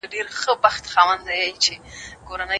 او بې وزلی کور یې